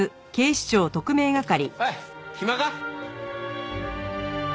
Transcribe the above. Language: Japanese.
おい暇か？